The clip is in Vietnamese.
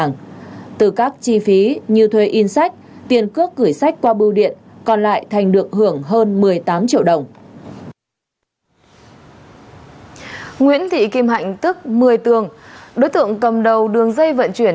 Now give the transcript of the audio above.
nguyễn thị kim hạnh tức một mươi tường đối tượng cầm đầu đường dây vận chuyển